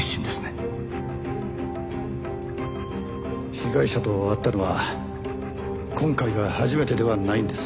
被害者と会ったのは今回が初めてではないんです。